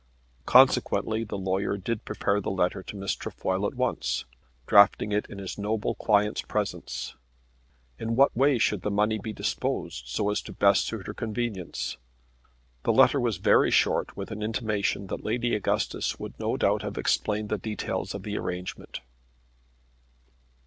Consequently the lawyer did prepare the letter to Miss Trefoil at once, drafting it in his noble client's presence. In what way should the money be disposed so as best to suit her convenience? The letter was very short with an intimation that Lady Augustus would no doubt have explained the details of the arrangement.